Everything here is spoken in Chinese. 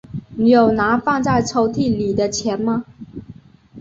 你有拿放在抽屉里的钱吗？